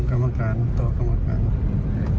จับเลยครับจับเลยจับเลย